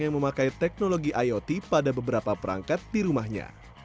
yang memakai teknologi iot pada beberapa perangkat di rumahnya